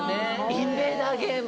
インベーダーゲーム。